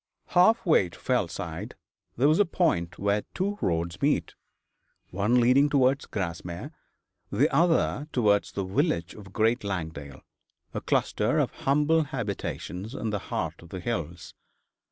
Half way to Fellside there was a point where two roads met, one leading towards Grasmere, the other towards the village of Great Langdale, a cluster of humble habitations in the heart of the hills.